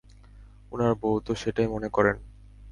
উনার বউ তো সেটাই মনে করেন।